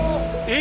え！